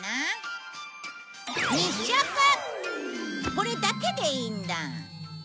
これだけでいいんだ。